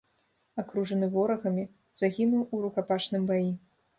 Акружаны ворагамі, загінуў у рукапашным баі.